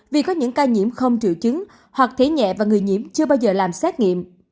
vì có những ca nhiễm không triệu chứng hoặc thế nhẹ và người nhiễm chưa bao giờ làm xét nghiệm